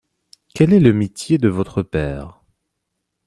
Quelle est le métier de votre père ?